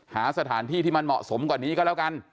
หาสถานที่ที่มันเหมาะสมกว่านี้ก็แล้วกัน